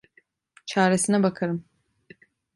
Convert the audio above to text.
Çaresine bakarım.